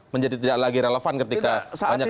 menjadi tidak lagi relevan ketika banyak lagi produk